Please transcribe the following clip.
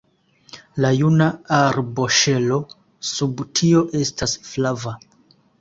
La juna arboŝelo sub tio estas flava.